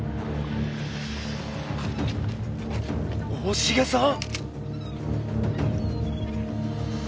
大重さん！？